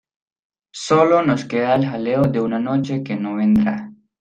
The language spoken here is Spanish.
Sólo nos queda el jaleo de una noche que no vendrá.